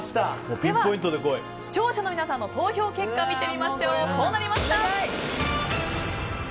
では視聴者の皆さんの投票結果はこうなりました。